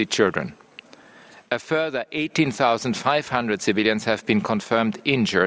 selain itu delapan belas lima ratus sipil telah diakui terbunuh